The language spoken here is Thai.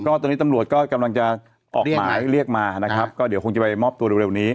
ก็ตอนนี้ตำรวจก็กำลังจะออกหมายเรียกมานะครับก็เดี๋ยวคงจะไปมอบตัวเร็วนี้